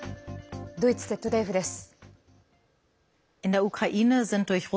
ドイツＺＤＦです。